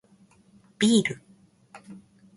ビール